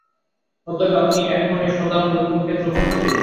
অতএব আপনি এক্ষণে স্বধাম বৈকুণ্ঠে চলুন।